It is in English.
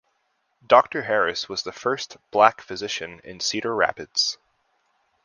Doctor Harris was the first black physician in Cedar Rapids.